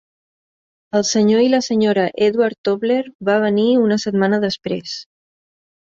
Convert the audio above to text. El Sr. i la Sra. Edward Tobler va venir una setmana després.